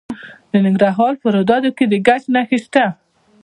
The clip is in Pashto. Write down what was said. د ننګرهار په روداتو کې د ګچ نښې شته.